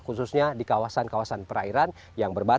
khususnya di kawasan kawasan perairan yang berbahaya